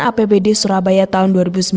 apbd surabaya tahun dua ribu sembilan belas